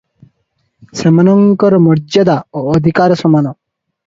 ସେମାନଙ୍କର ମର୍ଯ୍ୟାଦା ଓ ଅଧିକାର ସମାନ ।